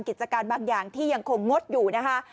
กิจการบางอย่างที่ยังคงงดอยู่นะคะ